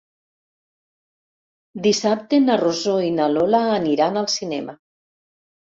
Dissabte na Rosó i na Lola aniran al cinema.